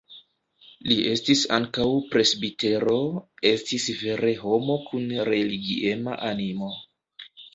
Li estis ankaŭ presbitero, estis vere homo kun religiema animo.